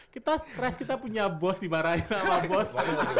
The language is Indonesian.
kita stres kita punya bos dimarahin sama bos